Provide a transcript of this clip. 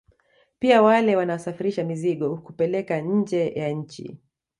Pia wale wanaosafirisha mizigo kupeleka nje ya nchi